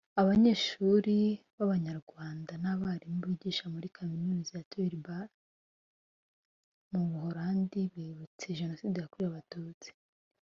Abanyeshuri b’Abanyarwanda n’abarimu bigisha muri Kaminuza ya Tilburg mu Buholandi bibutse Jenoside yakorewe Abatutsi